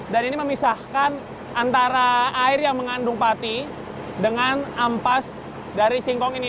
dan ini memisahkan antara air yang mengandung pati dengan ampas dari singkong ini